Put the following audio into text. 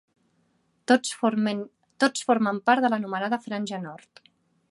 Tots formen part de l'anomenada "franja nord".